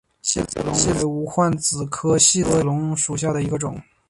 细子龙为无患子科细子龙属下的一个种。